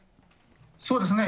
そうですね。